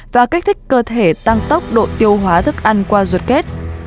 và kích thích cơ thể tăng tốc độ tiêu hóa thức ăn qua ruột kết